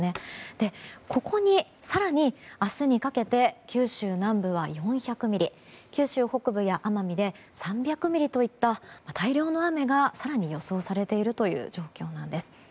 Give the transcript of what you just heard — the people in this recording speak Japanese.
ここに更に、明日にかけて九州南部は４００ミリ九州北部や奄美で３００ミリといった大量の雨が更に予想されている状況です。